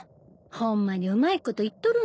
ホンマにうまいこといっとるんけ？